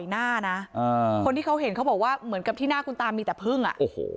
หน้านะคนที่เขาเห็นเขาบอกว่าเหมือนกับที่หน้าคุณตามีแต่พึ่งอ่ะโอ้โห